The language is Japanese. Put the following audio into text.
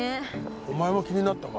お前も気になったか。